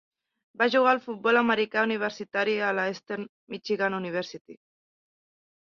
Va jugar al futbol americà universitari a la Eastern Michigan University.